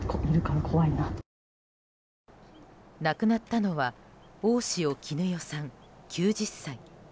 亡くなったのは大塩衣與さん、９０歳。